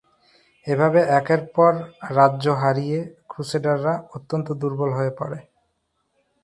এভাবে একের পর রাজ্য হারিয়ে ক্রুসেডাররা অত্যন্ত দুর্বল হয়ে পড়ে।